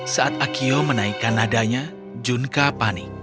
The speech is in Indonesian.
saat akio menaikkan nadanya junka panik